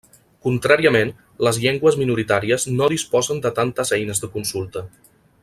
Contràriament, les llengües minoritàries no disposen de tantes eines de consulta.